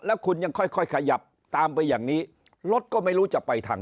แล้วคุณยังค่อยค่อยขยับตามไปอย่างนี้รถก็ไม่รู้จะไปทาง